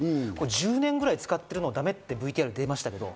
１０年ぐらい使ってるのだめってＶＴＲに出てましたけど。